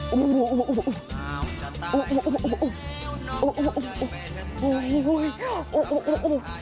อุ้อุ้อุ้